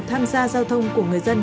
tham gia giao thông của người dân